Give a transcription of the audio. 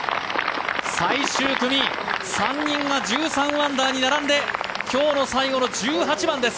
最終組３人が１３アンダーに並んで今日の最後の１８番です。